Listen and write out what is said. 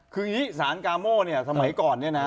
คือสารกาโมเนี่ยสมัยก่อนเนี่ยนะ